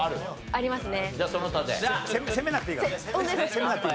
ありますね。